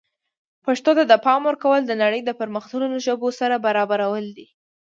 پښتو ته د پام ورکول د نړۍ د پرمختللو ژبو سره برابرول دي.